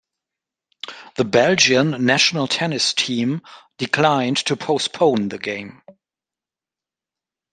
The Belgian national tennis team declined to postpone the game.